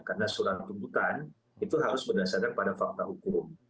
karena surat pembukaan itu harus berdasarkan pada fakta hukum